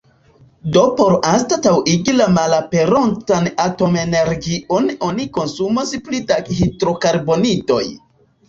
Do por anstataŭigi la malaperontan atomenergion oni konsumos pli da hidrokarbonidoj.